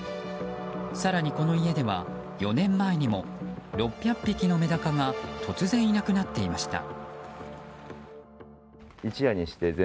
更にこの家では４年前にも６００匹のメダカが突然いなくなっていました。